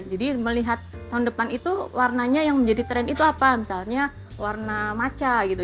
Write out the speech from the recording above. jadi melihat tahun depan itu warnanya yang menjadi tren itu apa misalnya warna maca gitu